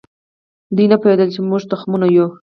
دوی نه پوهېدل چې موږ تخمونه یو.